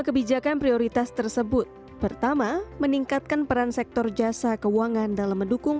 kebijakan prioritas tersebut pertama meningkatkan peran sektor jasa keuangan dalam mendukung